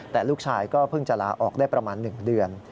แต่ลูกชายก็เพิ่งจะลาออกได้ประมาณ๑เดือน